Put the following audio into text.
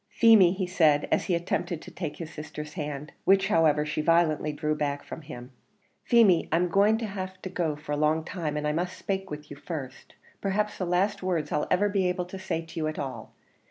"Feemy," he said, as he attempted to take his sister's hand which, however, she violently drew back from him "Feemy, I'm going to lave you a long time, and I must spake to you first, perhaps the last words I'll ever be able to say to you at all.